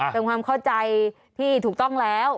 เป็นความเข้าใจที่ถูกต้องแล้ว